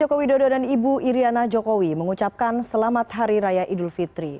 jokowi dodo dan ibu iryana jokowi mengucapkan selamat hari raya idul fitri